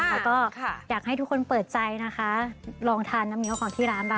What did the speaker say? แล้วก็อยากให้ทุกคนเปิดใจนะคะลองทานน้ำเงี้ยของที่ร้านเรา